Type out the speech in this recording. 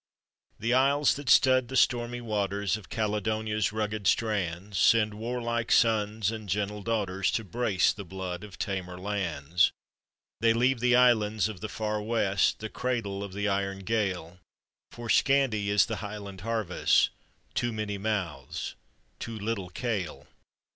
The Isles that stud the stormy waters Of Caledonia's rugged strands, Send warlike sons and gentle daughters To brace the blood of tamer lands. They leave the islands of the far West, The cradle of the iron Gael — For scanty is the Highland harvest, Too many mouths — too little kale.